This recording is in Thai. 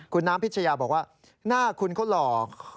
คุณน้ำพิชยาบอกว่าหน้าคุณเขาหลอก